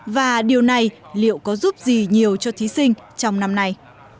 và điều này liệu có giúp gì nhiều cho thí sinh trong năm nay